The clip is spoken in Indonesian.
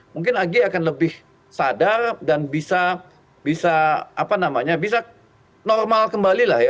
mungkin ag akan lebih sadar dan bisa normal kembali